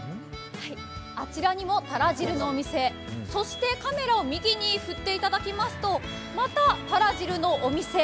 あちらにも、たら汁のお店、そしてカメラを右に振っていただきますとまた、たら汁のお店。